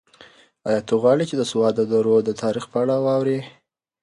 ایا ته غواړې چې د سوات د درو د تاریخ په اړه واورې؟